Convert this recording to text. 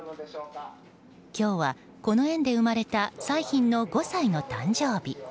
今日はこの園で生まれた彩浜の５歳の誕生日。